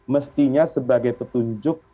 mestinya sebagai petunjuk